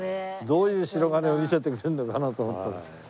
どういう白金を見せてくれるのかなと思った。